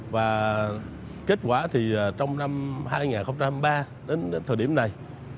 và kết quả thì trong năm hai nghìn hai mươi ba đến thời điểm này